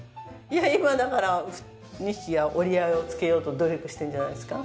いや今だから２匹が折り合いをつけようと努力してるんじゃないですか？